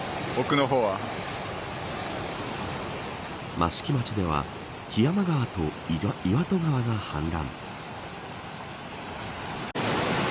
益城町では木山川と岩戸川が氾濫。